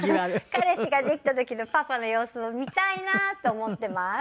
彼氏ができた時のパパの様子を見たいなって思ってます。